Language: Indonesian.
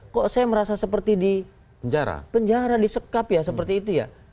kok saya merasa seperti di penjara disekap ya seperti itu ya